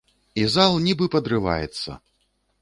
І зал нібы падрываецца!